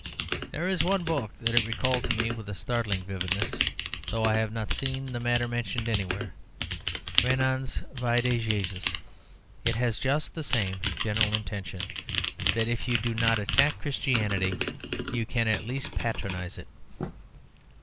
There is one book that it recalled to me with startling vividness, though I have not seen the matter mentioned anywhere; Renan's "Vie de Jésus." It has just the same general intention: that if you do not attack Christianity, you can at least patronise it.